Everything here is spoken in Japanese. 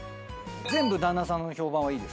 全部旦那さんの評判はいい？